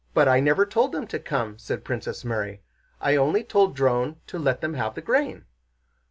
"But I never told them to come," said Princess Mary. "I only told Dron to let them have the grain."